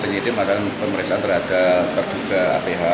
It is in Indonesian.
penyidim akan pemeriksaan terhadap perjuga aph